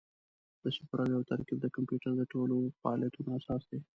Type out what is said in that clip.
د صفر او یو ترکیب د کمپیوټر د ټولو فعالیتونو اساس دی.